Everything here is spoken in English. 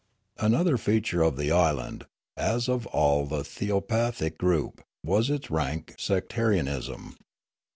"Another feature of the island, as of all the theopathic group, was its rank sectarianism.